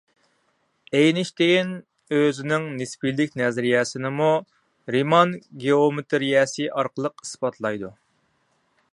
ئېينىشتېين ئۆزىنىڭ نىسپىيلىك نەزەرىيەسىنىمۇ رىمان گېئومېتىرىيەسى ئارقىلىق ئىسپاتلايدۇ.